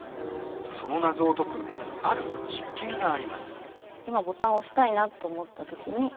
その謎を解くある実験があります。